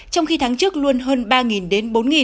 trong khi tháng trước luôn hơn ba đến bốn